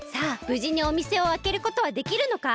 ぶじにおみせをあけることはできるのか！？